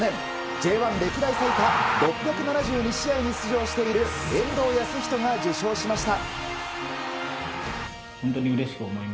Ｊ１歴代最多６７２試合に出場している遠藤保仁が受賞しました。